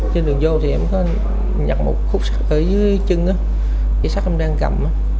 trên đường vô thì em có nhặt một khúc sắt ở dưới chân á cái sắt em đang cầm á